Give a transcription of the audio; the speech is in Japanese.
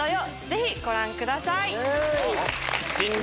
ぜひご覧ください。